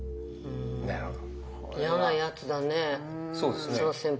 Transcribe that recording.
あなるほど。